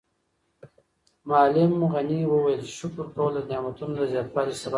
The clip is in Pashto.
معلم غني وویل چې شکر کول د نعمتونو د زیاتوالي سبب ګرځي.